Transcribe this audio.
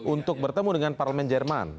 untuk bertemu dengan parlemen jerman